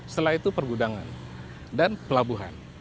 setelah itu pergudangan dan pelabuhan